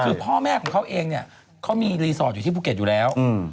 คือพ่อแม่ของเขาเองเนี่ยเขามีรีสอร์ทอยู่ที่ภูเก็ตอยู่แล้ว